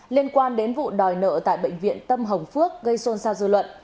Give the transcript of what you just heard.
liên quan đến vụ đòi nợ tại bệnh viện tâm hồng phước gây xôn xao dư luận